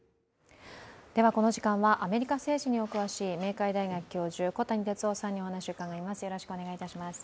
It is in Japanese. この時間はアメリカ政治にお詳しい明海大学教授、小谷哲男さんにお話を伺います。